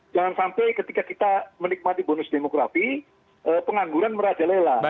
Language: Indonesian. jangan sampai ketika kita menikmati bonus demografi pengangguran merajalela